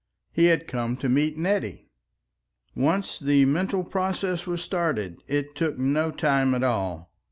He had come to meet Nettie! Once the mental process was started it took no time at all.